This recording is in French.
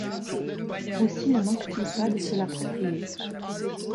Aussi ne manque-t-il pas de se l’approprier.